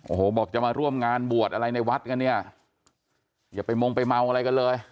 โอ้โหบอกจะมาร่วมงานบวชอะไรในวัดกันเนี่ยอย่าไปมงไปเมาอะไรกันเลย